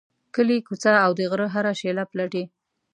کلی، کوڅه او د غره هره شیله پلټي.